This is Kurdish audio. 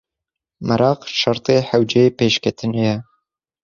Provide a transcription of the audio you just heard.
Meraq şertê hewce yê pêşketinê ye.